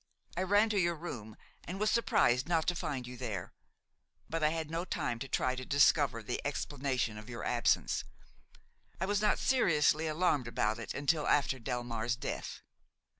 I ran to your room and was surprised not to find you there; but I had no time to try to discover the explanation of your absence; I was not seriously alarmed about it until after Delmare's death.